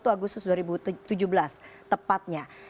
tiga puluh satu agustus dua ribu tujuh belas tepatnya